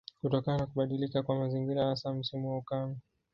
Kutokana na kubadilika kwa mazingira hasa msimu wa ukame